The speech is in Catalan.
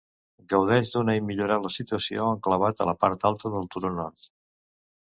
Gaudeix d'una immillorable situació, enclavat a la part alta del turó nord.